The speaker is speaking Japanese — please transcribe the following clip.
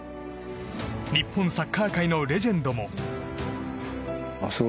日本サッカー界のレジェンドも。